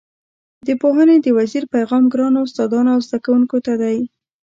د پوهنې د وزیر پیغام ګرانو استادانو او زده کوونکو ته دی.